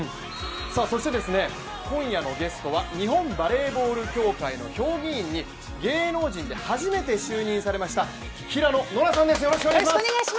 そして今夜のゲストは日本バレーボール協会の評議員に芸能人で初めて就任されました平野ノラさんです。